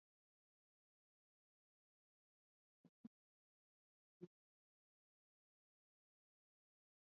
Hifadhi ya Taifa ya Serengeti inaangukia katika maeneo ya uoto wa asili wa maeneo